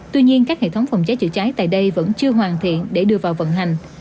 tuy nhiên các hệ thống phòng cháy chữa cháy tại đây vẫn chưa hoàn thiện để đưa vào vận hành